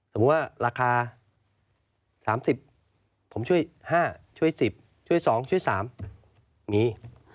สมมุติว่าราคา๓๐ผมช่วย๕ช่วย๑๐ช่วย๒ช่วย๓มี